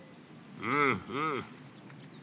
うんうん。